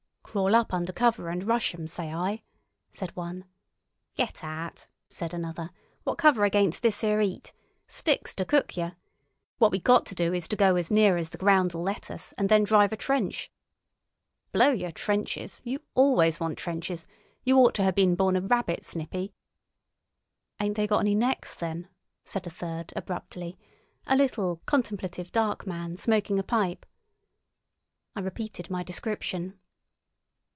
"Crawl up under cover and rush 'em, say I," said one. "Get aht!" said another. "What's cover against this 'ere 'eat? Sticks to cook yer! What we got to do is to go as near as the ground'll let us, and then drive a trench." "Blow yer trenches! You always want trenches; you ought to ha' been born a rabbit Snippy." "Ain't they got any necks, then?" said a third, abruptly—a little, contemplative, dark man, smoking a pipe. I repeated my description.